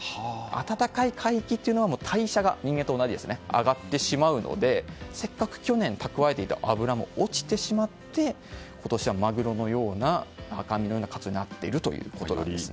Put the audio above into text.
暖かい海域というのは人間と同じで代謝が上がってしまうのでせっかく去年蓄えていた脂も落ちてしまって、今年はマグロのような赤身のようなカツオになっているということなんです。